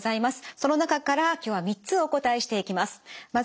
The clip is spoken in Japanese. その中から今日は３つお答えしていきます。